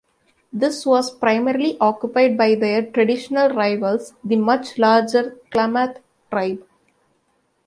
This was primarily occupied by their traditional rivals, the much larger Klamath tribe.